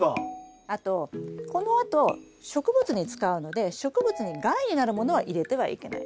あとこのあと植物に使うので植物に害になるものは入れてはいけない。